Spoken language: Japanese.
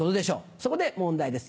そこで問題です。